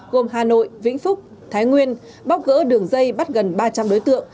gồm hà nội vĩnh phúc thái nguyên bóc gỡ đường dây bắt gần ba trăm linh đối tượng